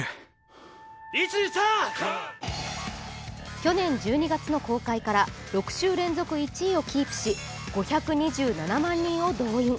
去年１２月の公開から６週連続１位をキープし、５２７万人を動員。